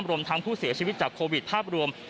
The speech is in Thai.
รวมทั้งผู้เสียชีวิตจากโควิดภาพรวม